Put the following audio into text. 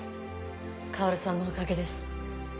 薫さんのおかげです。